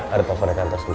ada toko ada kantor sebelah